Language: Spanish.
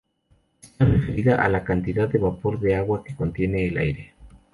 Está referida a la cantidad de vapor de agua que contiene el aire.